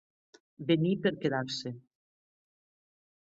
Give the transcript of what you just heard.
Venir per quedar-se.